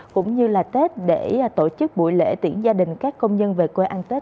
cũng như là tết để tổ chức buổi lễ tiễn gia đình các công nhân về quê ăn tết